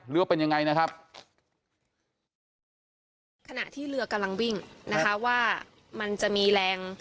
ว่าเป็นยังไงนะครับขณะที่เรือกำลังวิ่งนะคะว่ามันจะมีแรง